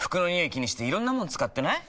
気にしていろんなもの使ってない？